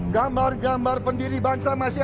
gambar gambar pendiri bangsa masih